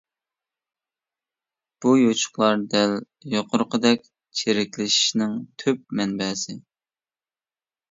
بۇ يوچۇقلار دەل يۇقىرىقىدەك چىرىكلىشىشنىڭ تۈپ مەنبەسى.